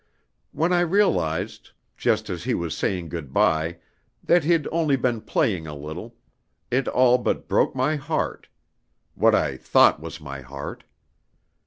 When I realized just as he was saying good by, that he'd only been playing a little, it all but broke my heart what I thought was my heart.